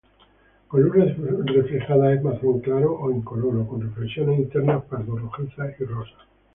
Con luz reflejada es marrón claro o incoloro, con reflexiones internas pardo-rojizas y rosas.